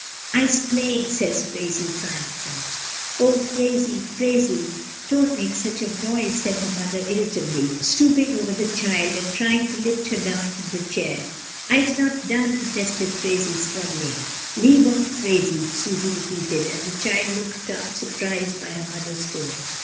"I'se playing," says Phraisie, triumphant, "O Phraisie, Phraisie, don't make such a noise," said her mother irritably, stooping over the child and trying to lift her down from the chair. "Fse not done," protested Phraisie struggling. "Leave off, Phraisie," Susy repeated; and the child looked up surprised by her mother's tone.